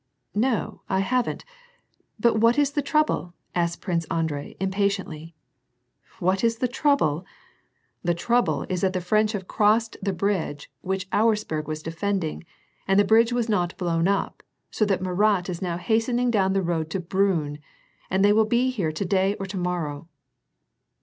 "No, I haven't. — But what is the trouble ?" asked Prince Andrei impatiently. " What is the trouble ? The trouble is that the French have crossed the bridge which Auersperg was defending, and the bridge was not blown up, so that Murat is now hastening down the road to Briinn, and they will be here to day or to morrow."